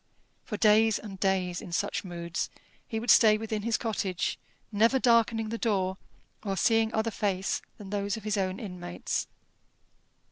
For days and days, in such moods, he would stay within his cottage, never darkening the door or seeing other face than those of his own inmates.